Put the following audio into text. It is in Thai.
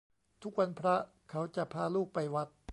ทุกวันพระเขาจะพาลูกไปวัด